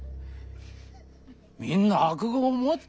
みんな悪業を持っとる。